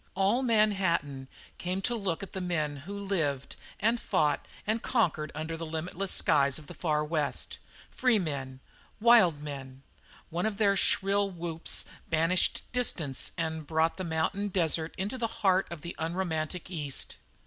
All Manhattan came to look at the men who had lived and fought and conquered under the limitless skies of the Far West, free men, wild men one of their shrill whoops banished distance and brought the mountain desert into the very heart of the unromantic East.